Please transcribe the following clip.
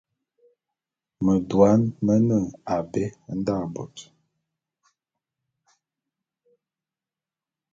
Medouan mene abé nda bot.